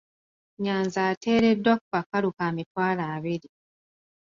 Nnyanzi ateereddwa ku kakalu ka mitwalo abiri.